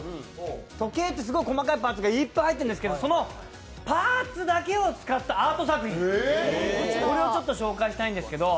時計ってすごい細かいパーツがいっぱい入ってるんですけど、そのパーツだけを使ったアート作品を紹介したいんですけど。